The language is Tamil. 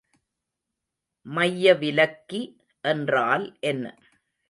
மையவிலக்கி என்றால் என்ன?